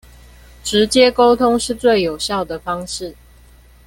直接溝通是最有效的方式